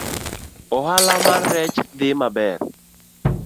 Ohala mar rech dhi maber